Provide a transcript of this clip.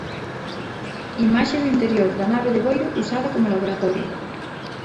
Imaxe do interior da nave de Boiro usada como laboratorio.